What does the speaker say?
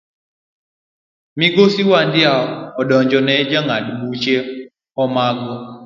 Migosi wandia odonjo ne jang'ad buche Hagoma.